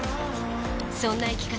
そんな生き方